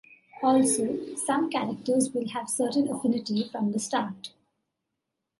Also, some characters will have a certain affinity from the start.